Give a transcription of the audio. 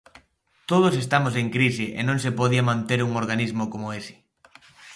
Todos estamos en crise e non se podía manter un organismo como ese.